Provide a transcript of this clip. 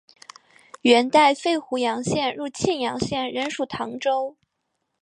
元代废湖阳县入泌阳县仍属唐州。